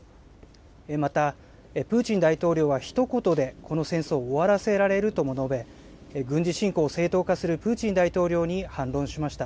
また、プーチン大統領はひと言でこの戦争を終わらせられるとも述べ、軍事侵攻を正当化するプーチン大統領に反論しました。